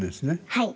はい。